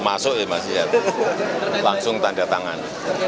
masuk ya mas ya langsung tanda tangan